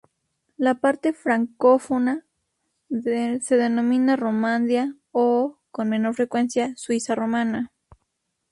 La parte francófona se denomina Romandía o, con menor frecuencia, "Suiza romana".